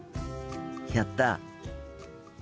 やった！